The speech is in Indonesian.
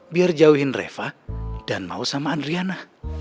biar jauhin reva dan mau sama adriana